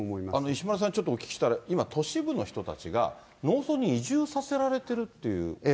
石丸さん、ちょっとお聞きしたい、今、都市部の人たちが農村に移住させられてるって。